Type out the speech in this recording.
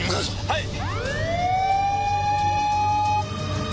はい！